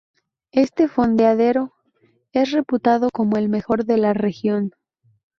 Este fondeadero es reputado como el mejor de la región.